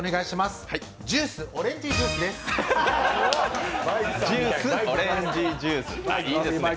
ジュースオレンジジュースいいですね。